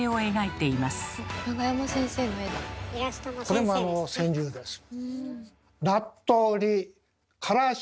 これも川柳です。